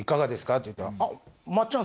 って言ったら。